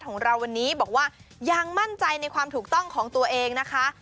ของเราวันนี้บอกว่ายังมั่นใจในความถูกต้องของตัวเองนะคะ